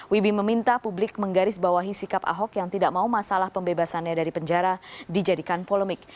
wibi meminta publik menggarisbawahi sikap ahok yang tidak mau masalah pembebasannya dari penjara dijadikan polemik